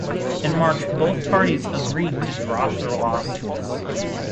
In March both parties agreed to drop their lawsuits.